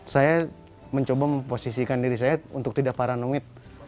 saya mencoba memposisikan diri saya untuk tidak paranoid